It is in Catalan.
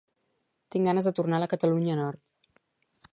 Tinc ganes de tornar a la Catalunya nord